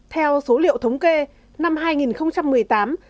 theo số liệu thống kê năm hai nghìn một mươi tám